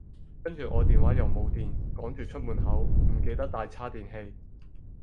跟住我電話又冇電，趕住出門口，唔記得帶叉電器